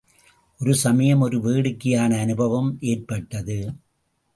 ஒரு சமயம் ஒரு வேடிக்கையான அனுபவம் ஏற்பட்டது.